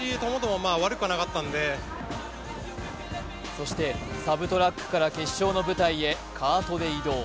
そしてサブトラックから決勝の舞台へカートで移動。